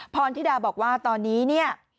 พรธิดาบอกว่าตอนนี้เนี่ย